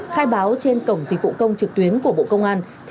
khai báo trên cổng dịch vụ công trực tuyến của bộ công an